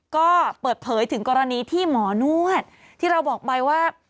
ก็เปิดเผยถึงกรณีที่หมอนวดที่เราบอกไปว่า